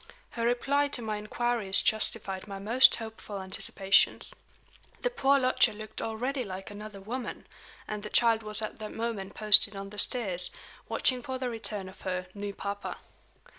Her reply to my inquiries justified my most hopeful anticipations. The poor lodger looked already "like another woman"; and the child was at that moment posted on the stairs, watching for the return of her "new papa."